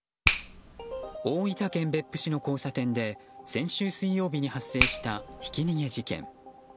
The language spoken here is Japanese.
大分県別府市の交差点で先週水曜日に発生したひき逃げ事件。